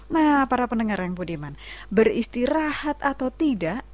nah para pendengar yang budiman beristirahat atau tidak